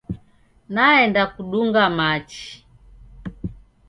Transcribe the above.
Naenda kudunga machi.